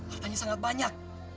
hartanya sangat banyak